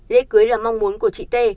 lễ cưới là mong muốn của chị t